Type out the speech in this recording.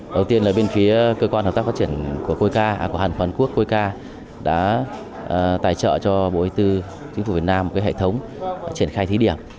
đầu tiên là bên phía cơ quan hợp tác phát triển của hàn quốc côi ca đã tài trợ cho bộ hải tư chính phủ việt nam một hệ thống triển khai thí điểm